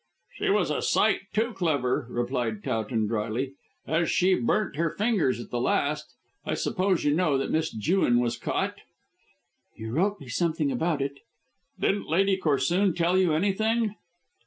"She was a sight too clever," replied Towton drily, "as she burnt her fingers at the last. I suppose you know that Miss Jewin was caught?" "You wrote me something about it." "Didn't Lady Corsoon tell you anything?"